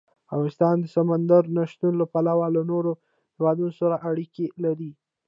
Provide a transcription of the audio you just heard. افغانستان د سمندر نه شتون له پلوه له نورو هېوادونو سره اړیکې لري.